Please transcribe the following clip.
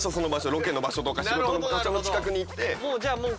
ロケの場所とか仕事の場所の近くに行って。